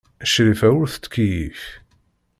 Crifa ur tettkeyyif.